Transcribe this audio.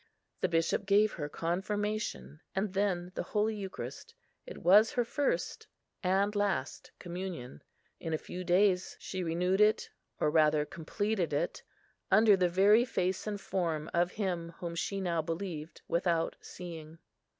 The bishop gave her confirmation, and then the Holy Eucharist. It was her first and last communion; in a few days she renewed it, or rather completed it, under the very Face and Form of Him whom she now believed without seeing.